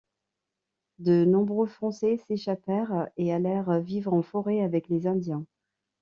De nombreux Français s'échappèrent et allèrent vivre en forêt avec les Indiens.